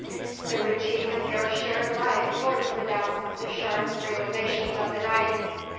The routine of their shared life blurred for them the sharp realisations of the night.